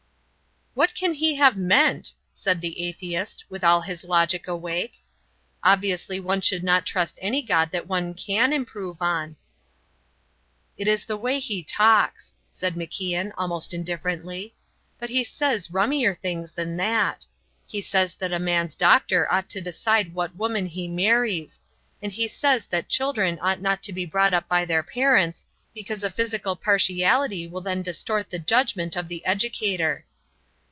"What can he have meant?" said the atheist, with all his logic awake. "Obviously one should not trust any God that one can improve on." "It is the way he talks," said MacIan, almost indifferently; "but he says rummier things than that. He says that a man's doctor ought to decide what woman he marries; and he says that children ought not to be brought up by their parents, because a physical partiality will then distort the judgement of the educator."